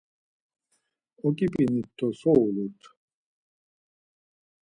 Oǩipinit do so ulurt?